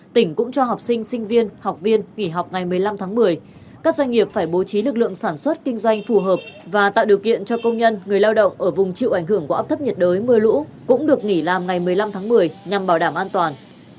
tỉnh cũng cho học sinh sinh viên học viên nghỉ học ngày một mươi năm tháng một mươi các doanh nghiệp phải bố trí lực lượng sản xuất kinh doanh phù hợp và tạo điều kiện cho công nhân người lao động ở vùng chịu ảnh hưởng của áp thấp nhiệt đới mưa lũ cũng được nghỉ làm ngày một mươi năm tháng một mươi nhằm bảo đảm an toàn